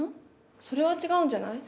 それは違うんじゃない？